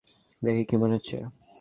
দেখে কী মনে হচ্ছে?